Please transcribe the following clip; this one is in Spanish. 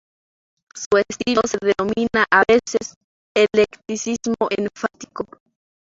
Su estilo se denomina a veces "eclecticismo enfático".